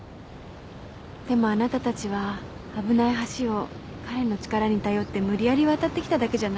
でもあなたたちは危ない橋を彼の力に頼って無理やり渡ってきただけじゃないかしら。